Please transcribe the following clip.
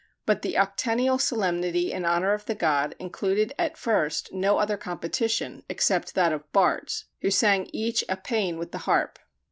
But the octennial solemnity in honor of the god included at first no other competition except that of bards, who sang each a pæan with the harp.